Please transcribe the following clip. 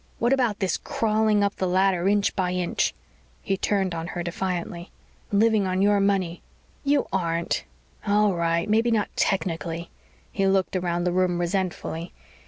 What about this crawling up the ladder inch by inch?" He turned on her defiantly. "Living on your money!" "You aren't!" "All right. Maybe not technically." He looked around the room resentfully.